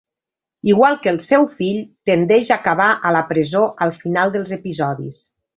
Igual que el seu fill, tendeix a acabar a la presó al final dels episodis.